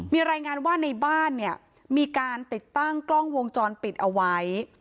มีรายงานว่าในบ้านเนี่ยมีการติดตั้งกล้องวงจรปิดเอาไว้